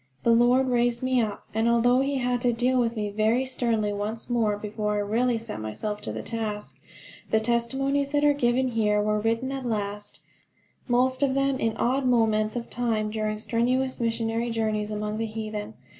The Lord raised me up; and although he had to deal with me very sternly once more before I really set myself to the task, the testimonies that are given here were written at last most of them in odd moments of time during strenuous missionary journeys among the heathen.